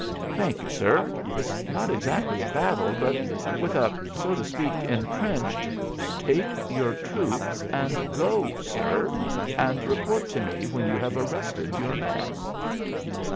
"Thank you, sir. It is not exactly a battle, but with a, so to speak, intrenched " "Take your troops and go, sir, and report to me when you have arrested your man."